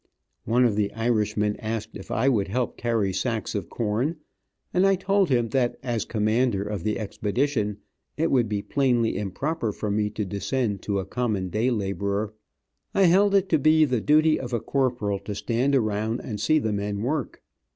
One of the Irishmen asked if I would help carry sacks of corn, and I told him that as commander of the expedition it would be plainly improper for me to descend to a common day laborer. I held it to be the duty of a corporal to stand around and see the men work.